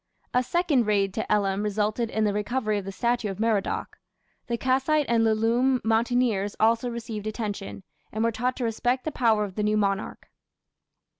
A second raid to Elam resulted in the recovery of the statue of Merodach. The Kassite and Lullume mountaineers also received attention, and were taught to respect the power of the new monarch.